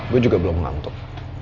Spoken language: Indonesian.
gue juga belum ngantuk